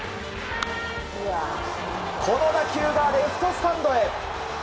この打球がレフトスタンドへ！